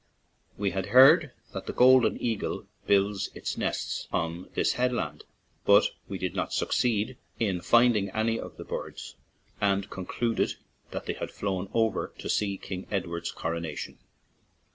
We had heard that the golden eagle builds its nests on this head land, but we did not succeed in finding any of the birds, and concluded that they had flown over to see King Edward's corona tion.